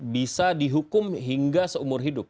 bisa dihukum hingga seumur hidup